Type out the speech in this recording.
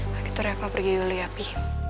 begitu reva pergi dulu ya pi